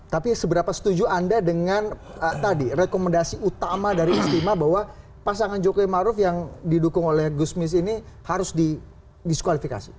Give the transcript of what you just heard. tapi seberapa setuju anda dengan tadi rekomendasi utama dari istimewa bahwa pasangan jokowi maruf yang didukung oleh gusmis ini harus didiskualifikasi